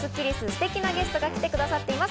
ステキなゲストが来てくださっています。